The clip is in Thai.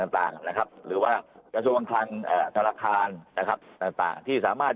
ต่างต่างนะครับหรือว่ากระทรวงคลังธนาคารนะครับต่างที่สามารถ